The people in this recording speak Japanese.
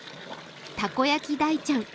たこ焼大ちゃん。